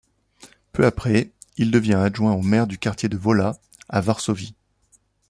Peu après, il devient adjoint au maire du quartier de Wola, à Varsovie.